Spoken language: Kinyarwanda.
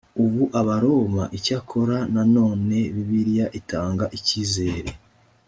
ubu abaroma icyakora nanone bibiliya itanga icyizere